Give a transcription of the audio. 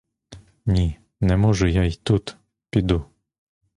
Ні, не можу я й тут, піду!